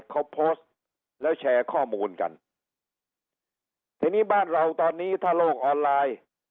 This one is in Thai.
เขาโพสต์แล้วแชร์ข้อมูลกันทีนี้บ้านเราตอนนี้ถ้าโลกออนไลน์